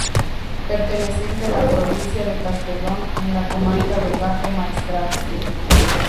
Perteneciente a la provincia de Castellón en la comarca del Bajo Maestrazgo.